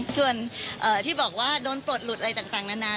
ส่วนที่บอกว่าโดนปลดหลุดอะไรต่างนานา